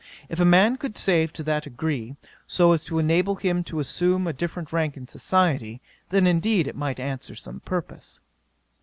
If a man could save to that degree, so as to enable him to assume a different rank in society, then indeed, it might answer some purpose.